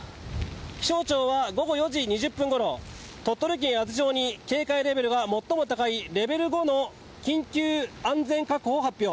気象庁は午後４時２０分ごろ鳥取県八頭町に警戒レベルが最も高いレベル５の緊急安全確保を発表。